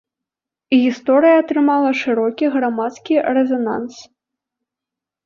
Гісторыя атрымала шырокі грамадскі рэзананс.